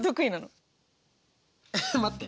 待って。